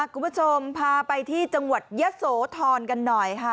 คุณผู้ชมพาไปที่จังหวัดยะโสธรกันหน่อยค่ะ